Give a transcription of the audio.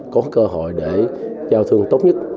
có cơ hội để giao thương tốt nhất